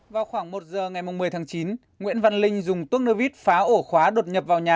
vào khoảng một giờ ngày một mươi tháng chín nguyễn văn linh dùng tuốc nơ vít phá ổ khóa đột nhập vào nhà